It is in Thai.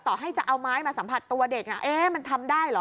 ต่อให้จะเอาไม้มาสัมผัสตัวเด็กมันทำได้เหรอ